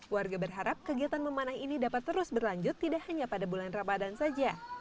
warga berharap kegiatan memanah ini dapat terus berlanjut tidak hanya pada bulan ramadan saja